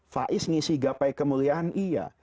faiz ngisi gapai kemuliaan iya